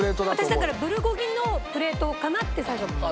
私だからプルコギのプレートかなって最初。